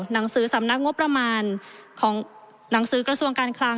หนังสือสำนักงบประมาณของหนังสือกระทรวงการคลัง